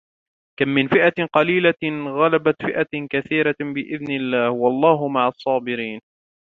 كم من فئة قليلة غلبت فئة كثيرة بإذن الله والله مع الصابرين.